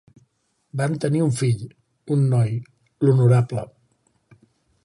Van tenir un fill, un noi, l'Honorable